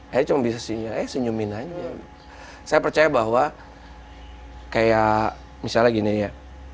saya cuma bisa senyum aja senyumin aja saya percaya bahwa kayak misalnya gini ya